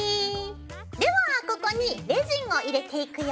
ではここにレジンを入れていくよ。